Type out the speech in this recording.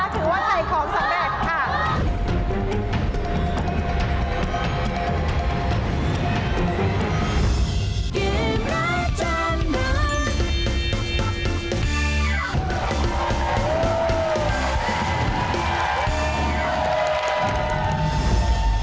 ถือว่าถ่ายของสำเร็จค่ะ